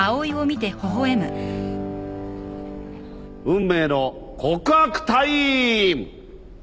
運命の告白タイム！